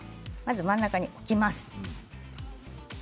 真ん中に置きます。